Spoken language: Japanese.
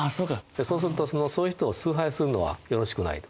そうするとそういう人を崇拝するのはよろしくないと。